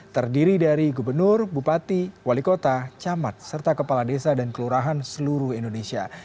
terdiri dari gubernur bupati wali kota camat serta kepala desa dan kelurahan seluruh indonesia